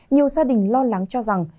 nhiều gia đình lo lắng cho rằng